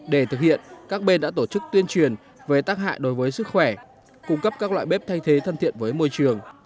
để thực hiện các bên đã tổ chức tuyên truyền về tác hại đối với sức khỏe cung cấp các loại bếp thay thế thân thiện với môi trường